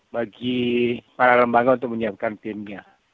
bagi para lembaga untuk menyiapkan timnya